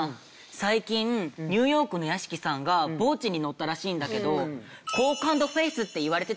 最近ニューヨークの屋敷さんが『ＶＯＣＥ』に載ったらしいんだけど好感度フェイスっていわれてたよ。